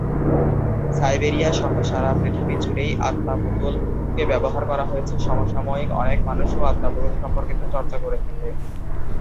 Siberia সহ সারা পৃথিবী জুড়েই "আত্মা পুতুল"-কে ব্যবহার করা হয়েছে, সমসাময়িক অনেক মানুষও আত্মা-পুতুল সম্পর্কিত চর্চা করে থাকে।